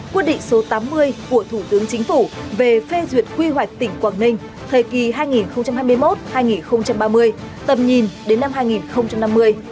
quyết định số tám mươi của thủ tướng chính phủ về phê duyệt quy hoạch tỉnh quảng ninh thời kỳ hai nghìn hai mươi một hai nghìn ba mươi tầm nhìn đến năm hai nghìn năm mươi